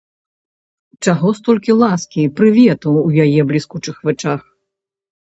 Чаго столькі ласкі, прывету ў яе бліскучых вачах?